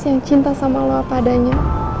yang cinta sama lo apa adanya